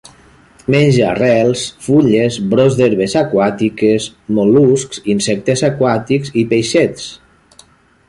Menja arrels, fulles, brots d'herbes aquàtiques, mol·luscs, insectes aquàtics i peixets.